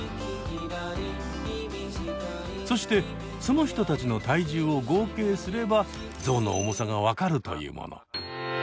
そしてその人たちの体重を合計すればゾウの重さが分かるというもの。